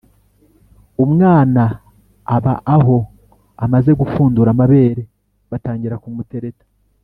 Umwana aba aho, amaze gupfundura amabere batangira kumutereta